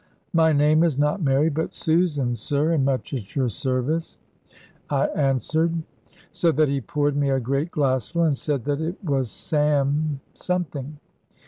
'My name is not Mary, but Susan, sir, and much at your service,' I answered; so that he poured me a great glassful, and said that it was Sam something.